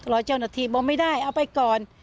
รอเจ้าหน้าที่บอกไม่ได้เอาไปก่อน